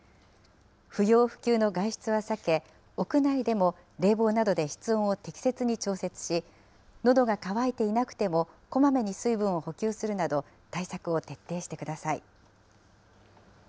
不要不急の外出は避け、屋内でも冷房などで室温を適切に調整し、のどが渇いていなくてもこまめに水分を補給するなど、対策を徹底してください。